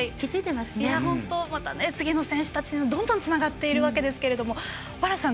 また次の選手たちにどんどんとつながっているわけですけれども保原さん